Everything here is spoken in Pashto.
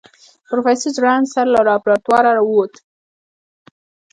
پروفيسر ځوړند سر له لابراتواره ووت.